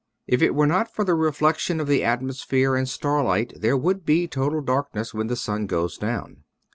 If it were not for the reflection of the atmosphere and starlight there would be total darkness when the sun goes down.